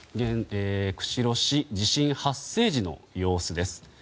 釧路市、地震発生時の様子です。